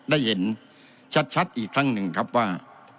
ได้เห็นชัดอีกครั้งหนึ่งครับว่า